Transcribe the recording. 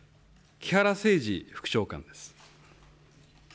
木原誠二副長官です。